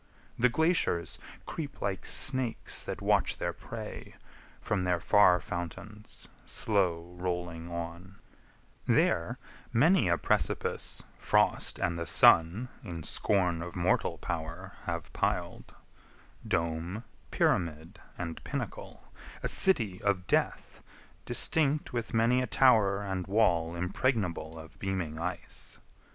The glaciers creep Like snakes that watch their prey, from their far fountains, Slow rolling on; there, many a precipice Frost and the Sun in scorn of mortal power Have pil'd: dome, pyramid, and pinnacle, A city of death, distinct with many a tower And wall impregnable of beaming ice.